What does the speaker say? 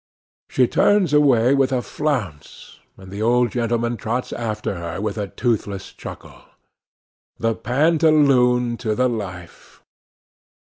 She turns away with a flounce, and the old gentleman trots after her with a toothless chuckle. The pantaloon to the life!